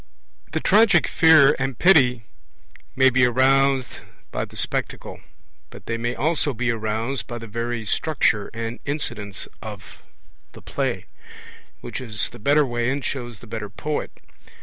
14 The tragic fear and pity may be aroused by the Spectacle; but they may also be aroused by the very structure and incidents of the play which is the better way and shows the better poet.